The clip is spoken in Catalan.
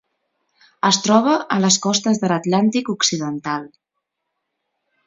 Es troba a les costes de l'Atlàntic Occidental.